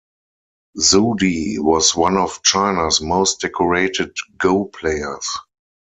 Zude was one of China's most decorated Go players.